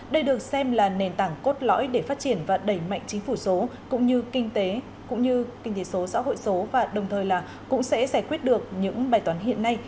đây được xem là nền tảng cốt lõi để phát triển và đẩy mạnh chính phủ số cũng như kinh tế cũng như kinh tế số xã hội số và đồng thời cũng sẽ giải quyết được những bài toán hiện nay